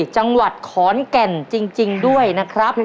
จังหวัดขอนแก่นจริงด้วยนะครับ